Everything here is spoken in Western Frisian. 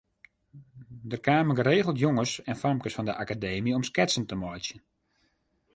Der kamen geregeld jonges en famkes fan de Akademy om sketsen te meitsjen.